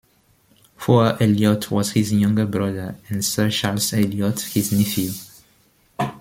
Hugh Elliot was his younger brother and Sir Charles Elliot his nephew.